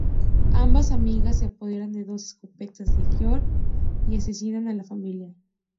Ambas amigas, se apoderan de dos escopetas de George y asesinan a la familia.